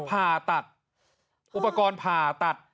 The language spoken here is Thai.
ผ่าตัดอุปกรณ์ผ่าตัด